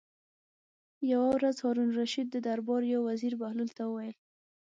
یوه ورځ د هارون الرشید د دربار یو وزیر بهلول ته وویل.